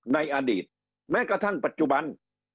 ในอดีตแม้กระทั่งปัจจุบัน